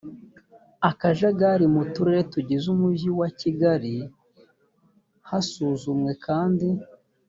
akajagari mu turere tugize umujyi wa kigali hasuzumwe kandi